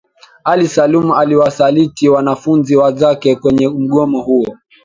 ally salum aliwasaliti wanafunzi wenzake kwenye mgomo huo